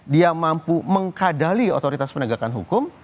dia mampu mengkadali otoritas penegakan hukum